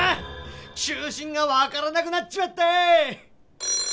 中心がわからなくなっちまったぃ！